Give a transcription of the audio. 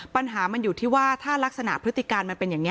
ปัญหามันอยู่ที่ว่าถ้ารักษณพฤติการมันเป็นอย่างนี้